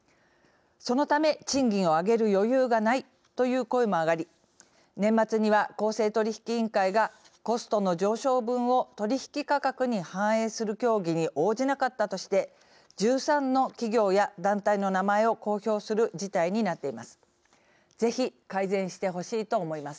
そのため、賃金を上げる余裕がないという声も上がり年末には、公正取引委員会がコストの上昇分を取引価格に反映する協議に応じなかったとして１３の企業や団体の名前を公表する事態になっています。